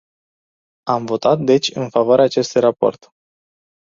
Am votat deci în favoarea acestui raport.